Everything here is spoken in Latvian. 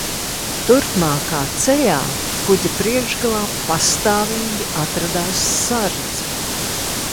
Turpmākā ceļā kuģa priekšgalā pastāvīgi atradās sardze.